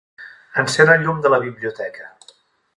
Encén el llum de la biblioteca.